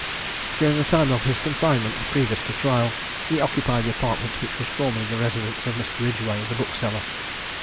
During the time of his confinement, previous to trial, he occupied the apartment which was formerly the residence of Mr. Ridgway, the bookseller.